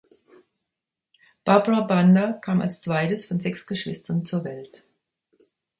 Barbra Banda kam als zweites von sechs Geschwistern zur Welt.